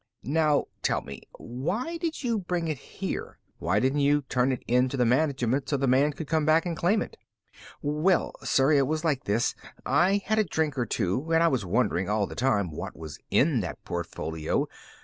"Now tell me why did you bring it here? Why didn't you turn it in to the management so the man could come back and claim it?" "Well, sir, it was like this. I had a drink or two and I was wondering all the time what was in that portfolio.